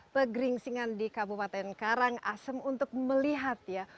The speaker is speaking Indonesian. pegeringsingan di kabupaten karang asem untuk melihat ya